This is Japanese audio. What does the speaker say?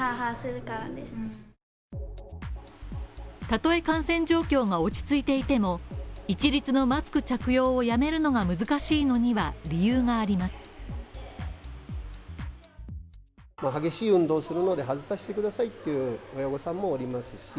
たとえ感染状況が落ち着いていても、一律のマスク着用をやめるのが難しいのには理由があります。